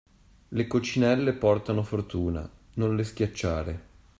Le coccinelle portano fortuna, non le schiacciare!